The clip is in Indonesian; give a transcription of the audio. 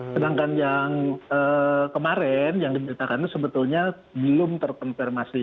sedangkan yang kemarin yang dimiliki sebetulnya belum terkonfirmasi